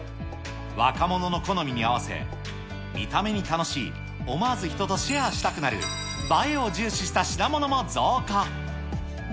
若者の好みに合わせ、見た目に楽しい、思わず人とシェアしたくなる、映えを重視した品物も増加。